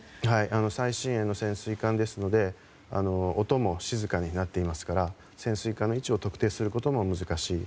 最新鋭の潜水艦ですので音も静かになっていますから潜水艦の位置を特定することも難しい。